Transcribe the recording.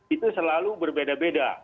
itu selalu berbeda beda